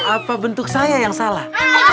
apa bentuk saya yang salah